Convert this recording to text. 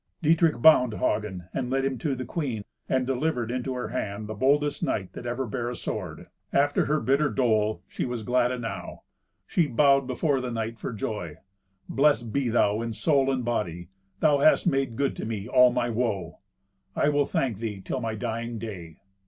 Dietrich bound Hagen, and led him to the queen, and delivered into her hand the boldest knight that ever bare a sword. After her bitter dole, she was glad enow. She bowed before the knight for joy. "Blest be thou in soul and body. Thou hast made good to me all my woe. I will thank thee till my dying day."